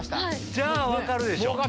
じゃあ分かるでしょ。